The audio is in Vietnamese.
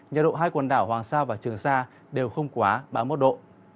nhiệt độ hai quần đảo hoàng sa và trường sa đều không quá ba mươi một độ